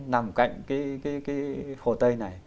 nằm cạnh cái hồ tây này